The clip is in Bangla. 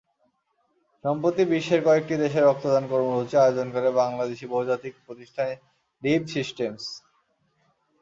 সম্প্রতি বিশ্বের কয়েকটি দেশে রক্তদান কর্মসূচি আয়োজন করে বাংলাদেশি বহুজাতিক প্রতিষ্ঠান রিভ সিস্টেমস।